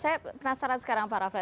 saya penasaran sekarang pak raff